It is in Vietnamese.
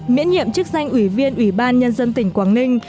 miễn nhiệm chức danh ủy viên ubnd tỉnh quảng ninh